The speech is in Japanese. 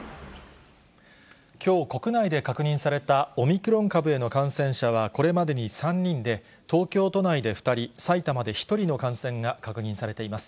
きょう、国内で確認されたオミクロン株への感染者はこれまでに３人で、東京都内で２人、埼玉で１人の感染が確認されています。